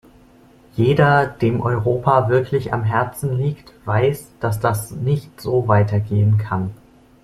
Jeder, dem Europa wirklich am Herzen liegt, weiß, dass das nicht so weitergehen kann.